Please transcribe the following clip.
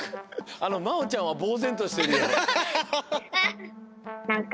あのまおちゃんはぼうぜんとしてるよ。